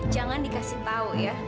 jangan dikasih tahu ya